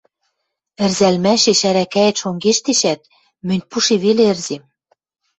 Ӹрзӓлмӓшеш ӓрӓкӓэт шонгештешӓт, мӹнь пуше веле ӹрзем.